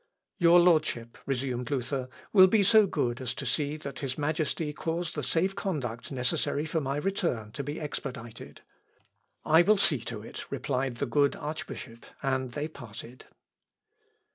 "Your Lordship," resumed Luther, "will be so good as to see that his Majesty cause the safe conduct necessary for my return to be expedited." "I will see to it," replied the good archbishop, and they parted.